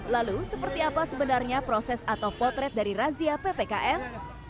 lalu seperti apa sebenarnya proses atau potret dari razia ppks